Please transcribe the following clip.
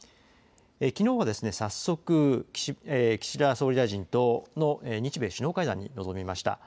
きのうは早速、岸田総理大臣との日米首脳会談に臨みました。